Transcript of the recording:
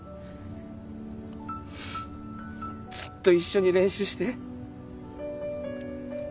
ずっと一緒に練習して。